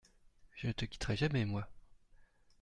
Je ne te quitterai jamais, moi !